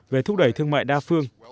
về thúc đẩy thương mại đa phương